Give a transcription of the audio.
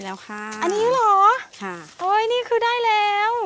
แล้วค่ะอันนี้เหรอค่ะโอ้ยนี่คือได้แล้ว